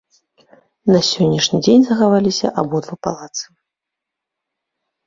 На сённяшні дзень захаваліся абодва палацы.